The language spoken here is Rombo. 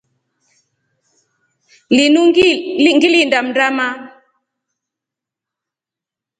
Linu ngilinda mndana.